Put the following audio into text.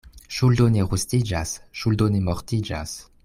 Ŝuldo ne rustiĝas, ŝuldo ne mortiĝas.